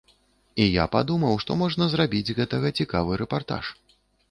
І я падумаў, што можна зрабіць з гэтага цікавы рэпартаж.